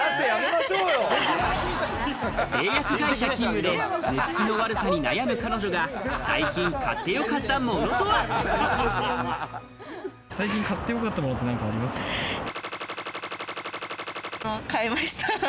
製薬会社勤務で寝つきの悪さに悩む彼女が最近、買ってよかったものとは？を買いました。